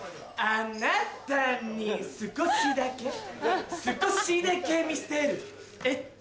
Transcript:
あなたに少しだけ少しだけ見せるＨ。